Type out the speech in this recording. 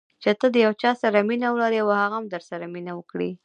چې ته د یو چا سره مینه ولرې او هغه هم درسره مینه وکړي.